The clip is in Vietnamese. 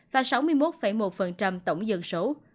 và sáu mươi một một tổng dân số